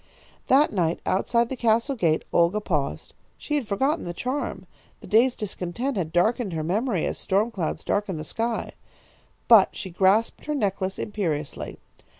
"That night outside the castle gate Olga paused. She had forgotten the charm. The day's discontent had darkened her memory as storm clouds darken the sky. But she grasped her necklace imperiously.